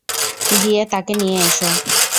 গিয়ে তাকে নিয়ে এসো।